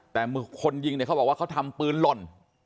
แต่มือคนยิงเนี่ยเขาบอกว่าเขาทำปืนหล่น